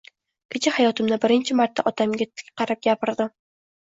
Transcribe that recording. Kecha hayotimda birinchi marta otamga tik qarab gapirdim